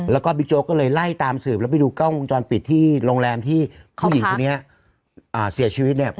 แล้วก็บิ๊กโจ๊กก็เลยไล่ตามสืบแล้วไปดูกล้องวงจรปิดที่โรงแรมที่ผู้หญิงคนนี้เสียชีวิตเนี่ย